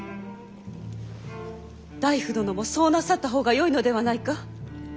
内府殿もそうなさった方がよいのではないか？